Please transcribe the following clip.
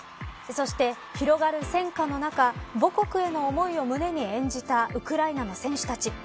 そして、広がる戦火の中母国への思いを胸に演じたウクライナの選手たち。